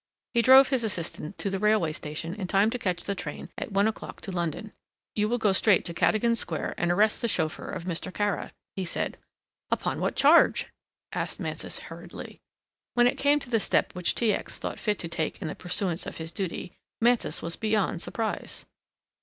He drove his assistant to the railway station in time to catch the train at one o'clock to London. "You will go straight to Cadogan Square and arrest the chauffeur of Mr. Kara," he said. "Upon what charge!" asked Mansus hurriedly. When it came to the step which T. X. thought fit to take in the pursuance of his duty, Mansus was beyond surprise.